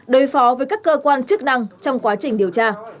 đối phó với các cơ quan chức năng trong quá trình điều tra